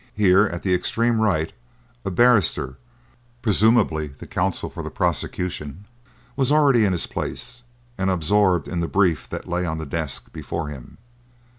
Here, at the extreme right, a barrister presumably the counsel for the prosecution was already in his place and absorbed in the brief that lay on the desk before him.